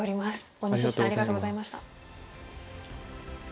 大西七段ありがとうございました。